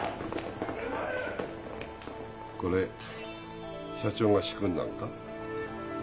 これ社長が仕組んだんか？